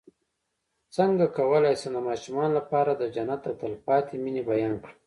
څنګه کولی شم د ماشومانو لپاره د جنت د تل پاتې مینې بیان کړم